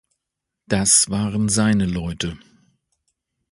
Das waren seine Leute.